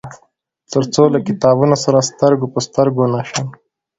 تر څو له کتابونه سره سترګو په سترګو نشم.